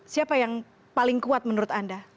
siapa yang paling kuat menurut anda